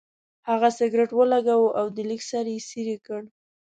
هغه سګرټ ولګاوه او د لیک سر یې څېرې کړ.